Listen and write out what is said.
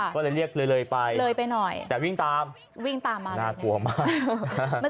ก็เลยเรียกเลยเลยไปเลยไปหน่อยแต่วิ่งตามวิ่งตามมาน่ากลัวมาก